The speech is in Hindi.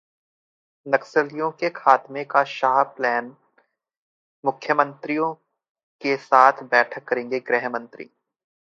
नक्सलियों के खात्मे का 'शाह प्लान', मुख्यमंत्रियों के साथ बैठक करेंगे गृह मंत्री